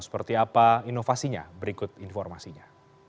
seperti apa inovasinya berikut informasinya